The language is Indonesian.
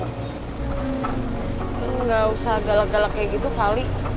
kamu gak usah galak galak kayak gitu kali